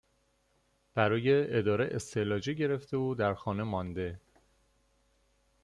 برای اداره استعلاجی گرفته و در خانه مانده